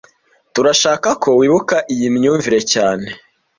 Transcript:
Turashaka ko wibuka iyi myumvire cyane